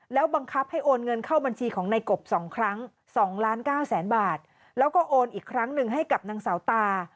แล้วบังคับให้โอนเงินเข้าบัญชีของในกบ๒ครั้ง๒ล้านเก้าแสนบาทแล้วก็โอนอีกครั้งหนึ่งให้กับนางสาวตา